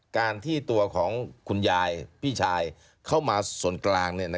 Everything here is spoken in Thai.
การที่ตัวของคุณยายพี่ชายเข้ามาส่วนกลาง